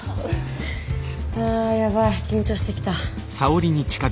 あやばい緊張してきた。